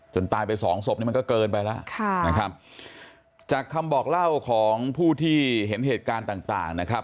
จนตายไปสองศพมันก็เกินไปแล้วจากคำบอกเล่าของผู้ที่เห็นเหตุการณ์ต่าง